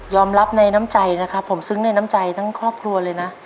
รับในน้ำใจนะครับผมซึ้งในน้ำใจทั้งครอบครัวเลยนะ